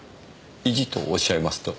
意地とおっしゃいますと？